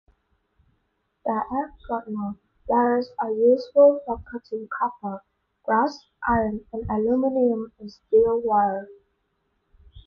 Diagonal pliers are useful for cutting copper, brass, iron, aluminium and steel wire.